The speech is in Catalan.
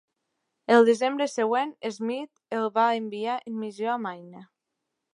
El desembre següent, Smith el va enviar en missió a Maine.